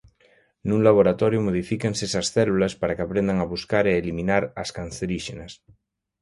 Nun laboratorio modifícanse esas células para que aprendan a buscar e eliminar as canceríxenas.